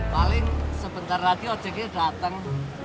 paling sebentar lagi ojeknya datang